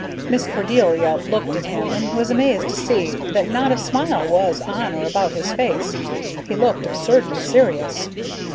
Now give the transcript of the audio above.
Miss Cordelia looked at him and was amazed to see that not a smile was on or about his face. He looked absurdly serious.